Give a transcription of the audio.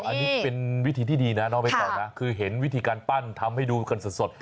อันนี้เป็นวิธีที่ดีนะน้องไปต่อนะคือเห็นวิธีการปั้นทำให้ดูกันสด